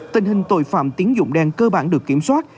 tình hình tội phạm tín dụng đen cơ bản được kiểm soát